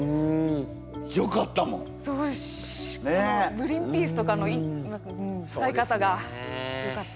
グリンピースとかのうん使い方がよかったです。